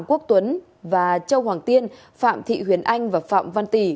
quốc tuấn và châu hoàng tiên phạm thị huyền anh và phạm văn tỷ